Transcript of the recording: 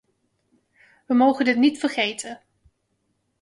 We mogen dit niet vergeten.